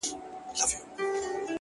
o گراني شاعري ستا خوږې خبري ،